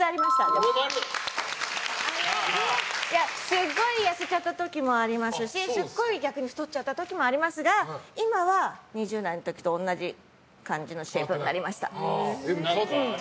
すごい痩せちゃった時もありましたしすっごい逆に太っちゃった時もありますが今は、２０代の時と同じ感じのシェイプになりました。